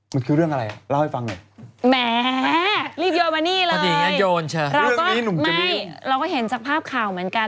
มันคือเรื่องอะไรเล่าให้ฟังหน่อยแหมรีบโยนมานี่เลยเราก็ไม่เราก็เห็นจากภาพข่าวเหมือนกัน